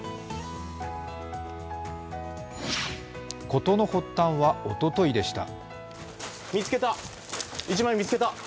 事の発端はおとといでした。